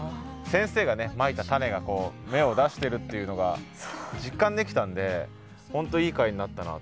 先生がねまいた種がこう芽を出してるっていうのが実感できたんで本当いい回になったなと思いましたね。